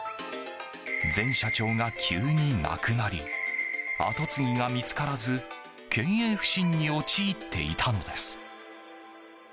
前社長が急に亡くなり跡継ぎが見つからず経営不振に陥っていたのです。